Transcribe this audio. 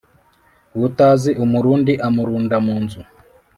Utazi Umurundi amurunda mu nzu.